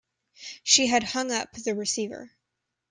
She had hung up the receiver.